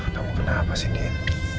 kamu kenapa sih nien